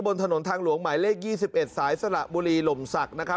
บนถนนทางหลวงใหม่เลข๒๑สายสระบุรีหลมศักดิ์